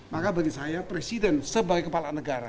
maka bagi saya presiden sebagai kepala negara